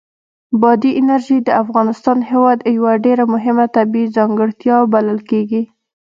بادي انرژي د افغانستان هېواد یوه ډېره مهمه طبیعي ځانګړتیا بلل کېږي.